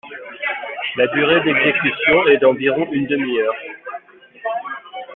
La durée d'exécution est d'environ une demi-heure.